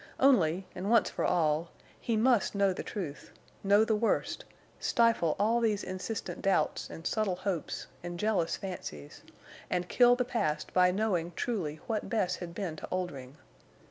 Only, and once for all, he must know the truth, know the worst, stifle all these insistent doubts and subtle hopes and jealous fancies, and kill the past by knowing truly what Bess had been to Oldring.